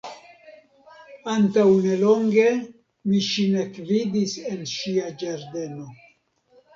Antaŭnelonge mi ŝin ekvidis en ŝia ĝardeno.